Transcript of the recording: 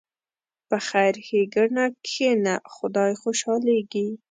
په خیر ښېګڼه کښېنه، خدای خوشحالېږي.